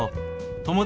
「友達」。